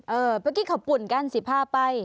เออเมื่อกี้ข้าวปุ่นกันสิภาพไป